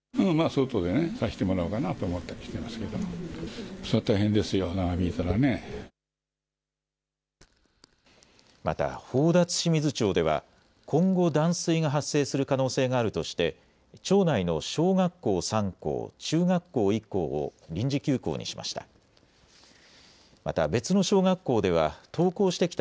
また宝達志水町では今後、断水が発生する可能性があるとして町内の小学校３校、中学校１校を臨時休校にしました。